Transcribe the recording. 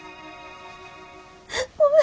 ごめん。